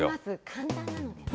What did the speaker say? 簡単なのでね。